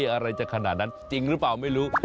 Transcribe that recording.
อะไรจะขนาดนั้นจริงหรือเปล่าไม่รู้